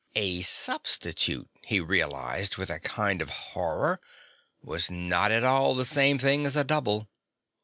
A substitute, he realized with a kind of horror, was not at all the same thing as a double.